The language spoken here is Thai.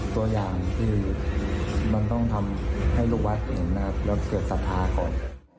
ตัวอย่างคือมันต้องทำให้ลูกวัดเห็นและเกิดสัตว์ภาคก่อน